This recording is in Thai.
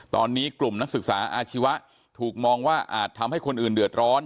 ตอนนี้กลุ่มนักศึกษาอาชีวะถูกมองว่าอาจทำให้คนอื่นเดือดร้อน